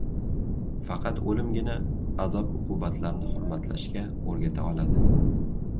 Faqat o‘limgina azob-uqubatlarni hurmatlashga o‘rgata oladi.